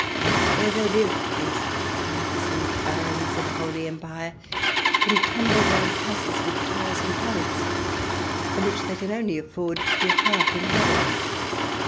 There they live, these Counts and Barons of the Holy Empire, in tumble down castles with towers and turrets, and which they can only afford to half inhabit.